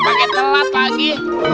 paket telat lagi